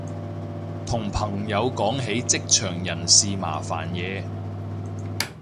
同朋友講起職場人事麻煩嘢